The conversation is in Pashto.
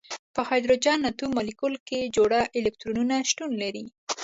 په هایدروجن اتوم مالیکول کې جوړه الکترونونه شتون لري.